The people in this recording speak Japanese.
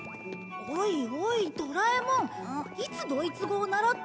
おいおいドラえもんいつドイツ語を習ったんだ？